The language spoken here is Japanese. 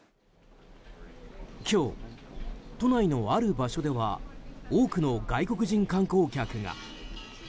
今日、都内のある場所では多くの外国人観光客が。